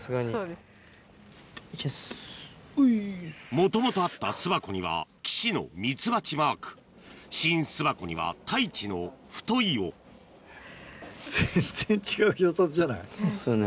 もともとあった巣箱には岸のミツバチマーク新巣箱には太一の「太い」をそうっすよね。